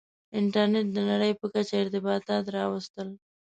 • انټرنېټ د نړۍ په کچه ارتباطات راوستل.